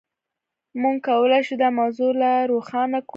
موږ کولای شو دا موضوع لا روښانه کړو.